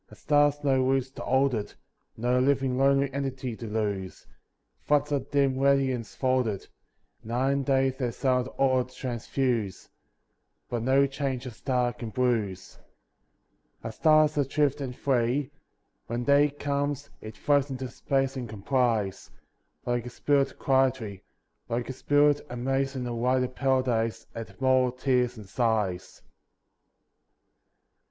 A star has do roots to hold it, No living lonely entity to lose. Floods of dim radiance fold it ; Night and day their silent aura transfuse, But no change a star oan bruise. A star is adrift and free. When day comes, it floats into space and com plies ; Like a spirit quietly, Like a spirit, amazed in a wider paradise At mortal tears and sighs.